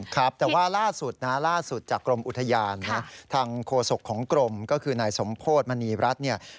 ครับแต่ว่าล่าสุดนะล่าสุดจากกรมอุทยานนะทางโฆษกของกรมก็คือนายสมโพธิมณีรัฐเนี่ย